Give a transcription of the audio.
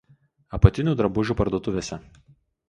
apatinių drabužių parduotuvėse